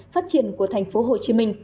phát triển của thành phố hồ chí minh